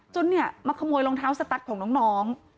เนี่ยมาขโมยรองเท้าสตั๊ดของน้อง